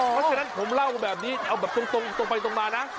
เพราะฉะนั้นผมเล่าแบบนี้เอาแบบตรงไปตรงมานะ